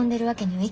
はい。